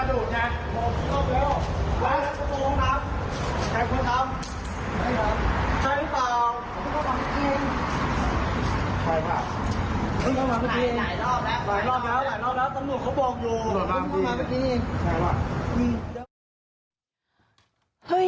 สุดท้ายครับ